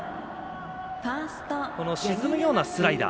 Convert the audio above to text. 沈むようなスライダー。